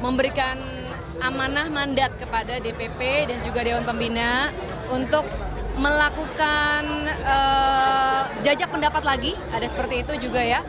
memberikan amanah mandat kepada dpp dan juga dewan pembina untuk melakukan jajak pendapat lagi ada seperti itu juga ya